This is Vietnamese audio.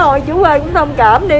ôi chú ơi cũng thông cảm đi